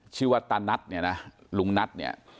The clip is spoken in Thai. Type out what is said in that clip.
ชื่อว่าตานัทเนี่ยนะลุงนัทเนี่ย